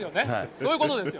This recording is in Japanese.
そういうことですよ。